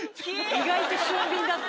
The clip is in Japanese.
意外と俊敏だった。